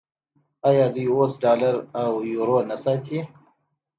آیا دوی اوس ډالر او یورو نه ساتي؟